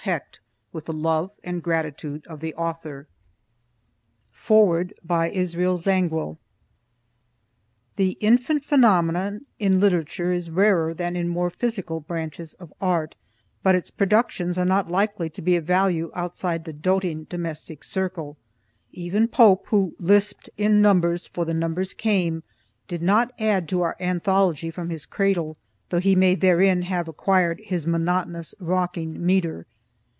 HECHT WITH THE LOVE AND GRATITUDE OF THE AUTHOR FOREWORD The "infant phenomenon" in literature is rarer than in more physical branches of art, but its productions are not likely to be of value outside the doting domestic circle. Even Pope who "lisped in numbers for the numbers came," did not add to our Anthology from his cradle, though he may therein have acquired his monotonous rocking metre.